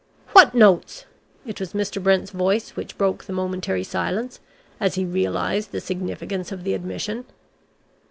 "What notes?" It was Mr. Brent's voice which broke the momentary silence, as he realized the significance of the admission.